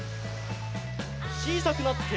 ちいさくなって。